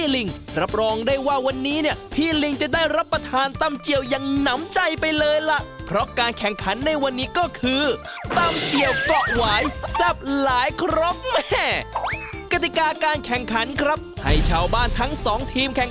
ลองชิมดูเลยค่ะว่าจะอร่อยสักขนาดไหน